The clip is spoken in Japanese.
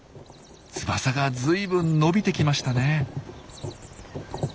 翼がずいぶん伸びてきましたね。